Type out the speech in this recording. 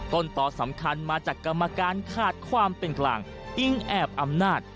ต้นต่อสำคัญมาจากกรรมการขาดความเป็นกลางอิงแอบอำนาจ